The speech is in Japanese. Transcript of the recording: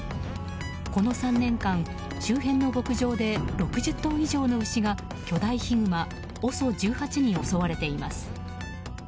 この３年間周辺の牧場で６０頭以上の牛が巨大ヒグマ、ＯＳＯ１８に襲われています。